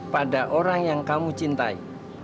pada orang yang kamu cintai